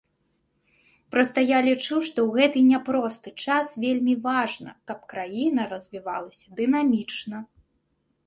Проста я лічу, што ў гэты няпросты час вельмі важна, каб краіна развівалася дынамічна.